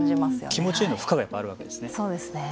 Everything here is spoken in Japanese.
気持ちへの負荷があるわけですね。